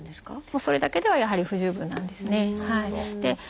それだけではやはり不十分なんですね。